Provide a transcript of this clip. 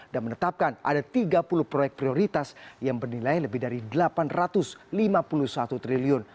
dan menetapkan ada tiga puluh proyek prioritas yang bernilai lebih dari rp delapan ratus lima puluh satu triliun